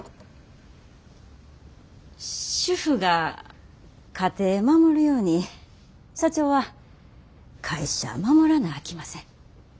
主婦が家庭守るように社長は会社守らなあきません。